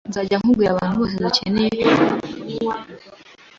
Nzajya kubwira abantu bose ko dukeneye kwimura inyubako.